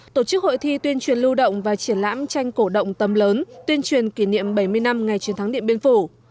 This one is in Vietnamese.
tổ chức hội thi tuyên truyền lưu động và triển lãm tranh cổ động tầm lớn tuyên truyền kỷ niệm bảy mươi năm ngày chiến thắng điện biên phủ